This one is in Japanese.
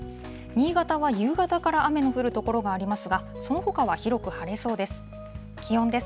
新潟は夕方から雨の降る所がありますが、そのほかは広く晴れそうです。